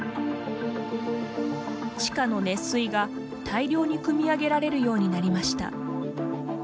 地下の熱水が大量にくみ上げられるようになりました。